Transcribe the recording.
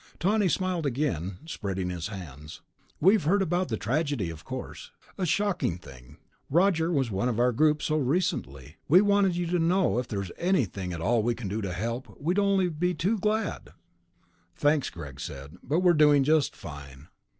Tawney smiled again, spreading his hands. "We've heard about the tragedy, of course. A shocking thing ... Roger was one of our group so recently. We wanted you to know that if there is anything at all we can do to help, we'd be only too glad...." "Thanks," Greg said. "But we're doing just fine."